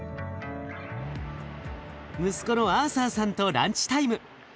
息子のアーサーさんとランチタイム。